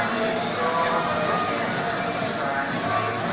kita akan menikmati